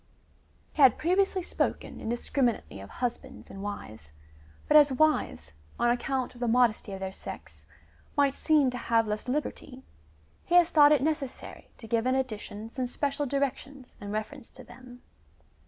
He had previously spoken indis criminately of husbands and wives, but as wives, on account of the modesty of their sex, might seem to have less liberty, he has thought it necessary to give in addition some special directions in reference to them.